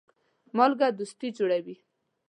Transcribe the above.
مالګه دوستي جوړوي.